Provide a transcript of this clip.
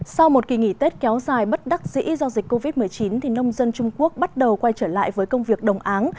sau một kỳ nghỉ tết kéo dài bất đắc dĩ do dịch covid một mươi chín nông dân trung quốc bắt đầu quay trở lại với công việc đồng áng